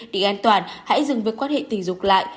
để an toàn hãy dừng với quan hệ tình dục lại